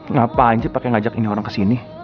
ngapain sih pakai ngajak ini orang kesini